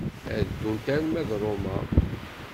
Ad ddunt arma d Roma.